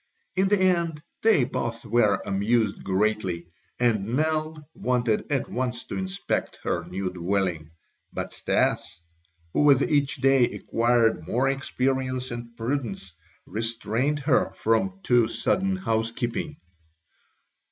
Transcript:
In the end they both were amused greatly and Nell wanted at once to inspect her new dwelling, but Stas, who with each day acquired more experience and prudence, restrained her from too sudden housekeeping.